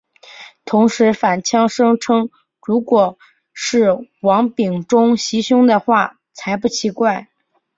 同时反呛声称如果是王炳忠袭胸的话才不奇怪。